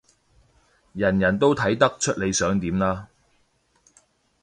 人人都睇得出你想點啦